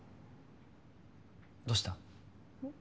どうした？え？